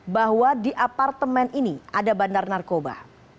bahwa di apartemen ini ada bandar narkoba